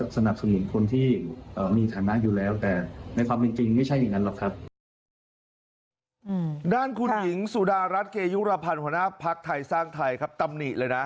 สนับสมิงคนที่เอ่อมีฐานะอยู่แล้วแต่ในความจริงจริงไม่ใช่อย่างนั้นหรอกครับอ่ามาพักไทยสร้างไทยครับตํะหนีเลยนะ